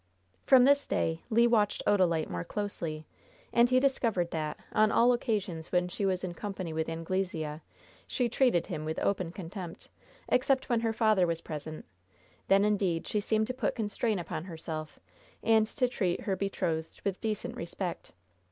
From this day Le watched Odalite more closely, and he discovered that, on all occasions when she was in company with Anglesea, she treated him with open contempt, except when her father was present; then indeed she seemed to put constraint upon herself and to treat her betrothed with decent respect.